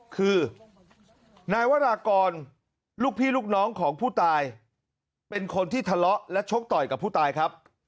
คือนายวรากรลูกพี่ลูกน้องของผู้ตายเป็นคนที่ทะเลาะและชกต่อยกับผู้ตายครับ